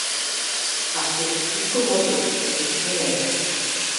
— А шкешт кушко возыт? — эскерем...»